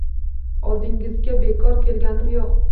Oldingizga bekorga kelganim yo`q